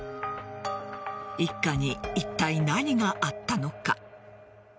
一家にいったい何があったのか。